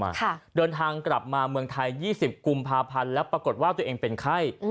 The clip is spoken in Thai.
ค่ะเดินทางกลับมาเมืองไทยยี่สิบกุมภาพันธ์แล้วปรากฏว่าตัวเองเป็นไข้